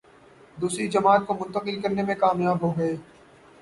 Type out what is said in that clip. دوسری جماعت کو منتقل کرنے میں کامیاب ہو گئے۔